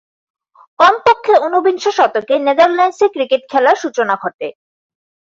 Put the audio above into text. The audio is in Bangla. কমপক্ষে ঊনবিংশ শতকে নেদারল্যান্ডসে ক্রিকেট খেলার সূচনা ঘটে।